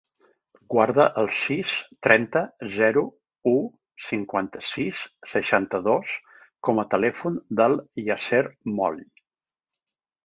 Guarda el sis, trenta, zero, u, cinquanta-sis, seixanta-dos com a telèfon del Yasser Moll.